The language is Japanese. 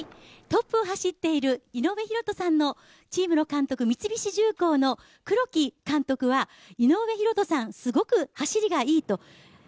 トップを走っている井上大仁さんのチームの三菱重工の黒木監督は井上大仁さん、すごく走りがいいと。